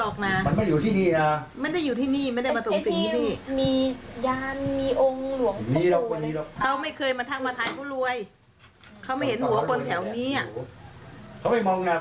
เขาไม่เคยมาทักมาทายผู้รวยเขาไม่เห็นหัวคนแถวนี้